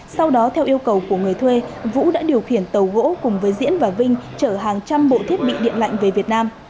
sau đó theo yêu cầu của người thuê vũ đã điều khiển tàu gỗ cùng với diễn và vinh chở hàng trăm bộ thiết bị điện lạnh về việt nam